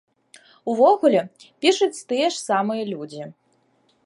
Увогуле, пішуць тыя ж самыя людзі.